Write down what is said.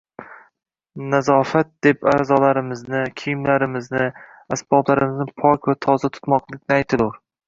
Nazofat deb a’zolarimizni, kiyimlarimizni, asboblarimizni pok va toza tutmoqni aytilur